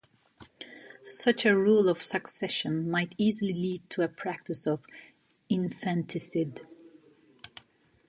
Such a rule of succession might easily lead to a practice of infanticide.